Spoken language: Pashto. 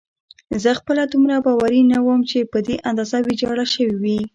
زه خپله دومره باوري نه وم چې په دې اندازه ویجاړه شوې وي.